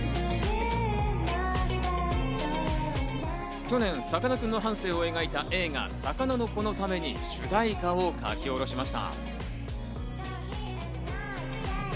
去年、さかなクンの半生を描いた映画『さかなのこ』のために主題歌を書き下ろしました。